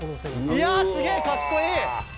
いやー、すげー、かっこいい。